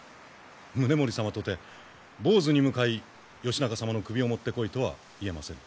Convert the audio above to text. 宗盛様とて坊主に向かい義仲様の首を持ってこいとは言えませぬ。